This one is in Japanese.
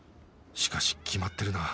しかし決まってるな